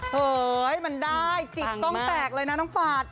เฮ้ยมันได้จิกกล้องแตกเลยนะน้องฝาด